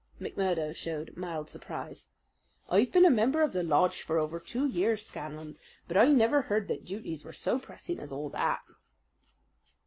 McMurdo showed mild surprise. "I've been a member of the lodge for over two years, Scanlan, but I never heard that duties were so pressing as all that."